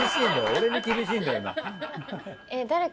俺に厳しいんだよな。